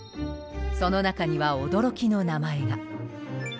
その中には驚きの名前が。